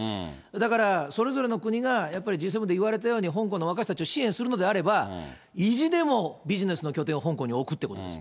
だからそれぞれの国が、やっぱりＧ７で言われたように、香港の若い人たちを支援するのであれば、意地でもビジネスの拠点を香港に置くっていうことですよ。